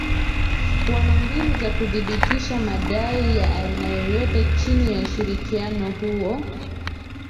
Wana mbinu za kuthibitisha madai ya aina yoyote chini ya ushirikiano huo